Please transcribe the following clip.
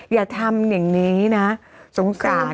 อย่าทำอย่างนี้นะสงสาร